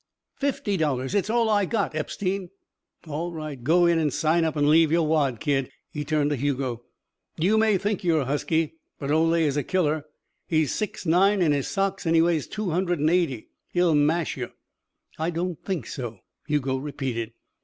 "Fifty dollars. It's all I got, Epstein." "All right go in and sign up and leave your wad. Kid," he turned to Hugo, "you may think you're husky, but Ole is a killer. He's six nine in his socks and he weighs two hundred and eighty. He'll mash you." "I don't think so," Hugo repeated.